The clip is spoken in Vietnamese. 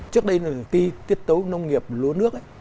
trước đây là tiết tấu nông nghiệp lúa nước